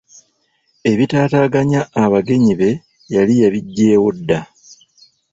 Ebitaataaganya abagenyi be yali yabigyewo dda.